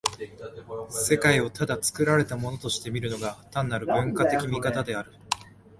世界をただ作られたものとして見るのが、単なる文化的見方である。